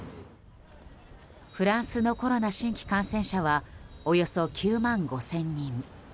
フランスのコロナの新規感染者はおよそ９万５０００人。